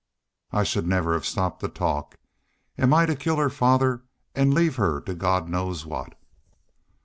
I should never have stopped to talk. An' I'm to kill her father an' leave her to God knows what."